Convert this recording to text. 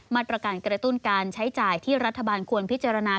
มาตรการกระตุ้นการใช้จ่ายที่รัฐบาลควรพิจารณา